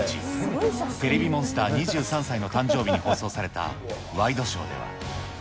テレビモンスター２３歳の誕生日に放送されたワイドショーでは。